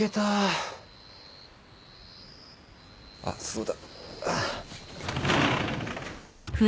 あっそうだ。